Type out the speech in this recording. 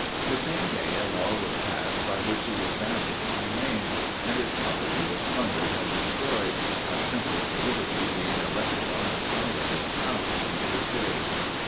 The same day a law was passed by which he was banished by name, and his property was plundered and destroyed, a temple to Liberty being erected on the site of his house in the city.